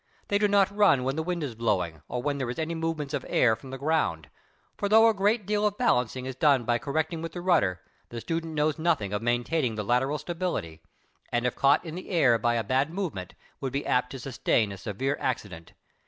They do not run when the wind is blowing or when there are any movements of air from the ground, for though a great deal of balancing is done by correcting with the rudder, the student knows nothing of maintaining the lateral stability, and if caught in the air by a bad movement would be apt to sustain a severe accident.